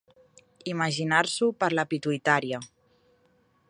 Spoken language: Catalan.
Imaginar-s'ho per la pituïtària.